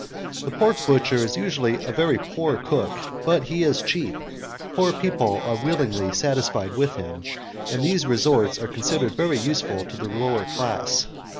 The pork butcher is usually a very poor cook, but as he is cheap, poor people are willingly satisfied with him, and these resorts are considered very useful to the lower class.